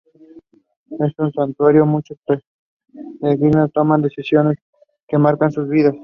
En un santuario muchos peregrinos toman decisiones que marcan sus vidas.